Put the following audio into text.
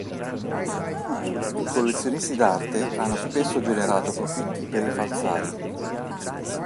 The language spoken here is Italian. I collezionisti d'arte hanno spesso generato profitti per i falsari.